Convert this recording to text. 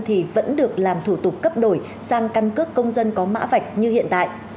thì vẫn được làm thủ tục cấp đổi sang căn cước công dân có mã vạch như hiện tại